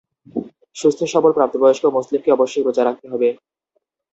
সুস্থ-সবল প্রাপ্তবয়স্ক মুসলিমকে অবশ্যই রোজা রাখতে হবে।